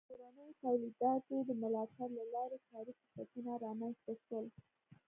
د کورنیو تولیداتو د ملاتړ له لارې کاري فرصتونه رامنځته سول.